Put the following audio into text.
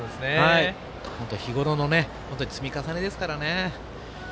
日頃の積み重ねですからね。